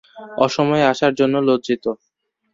অসময়ে আসার জন্যে লজ্জিত।